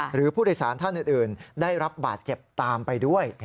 หรือผู้โดยสารท่านอื่นได้รับบาดเจ็บตามไปด้วย